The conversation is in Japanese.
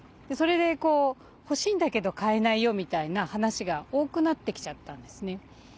それでこう「欲しいんだけど買えないよ」みたいな話が多くなってきちゃったんですね。